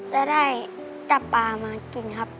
จะได้จับปลามากินครับ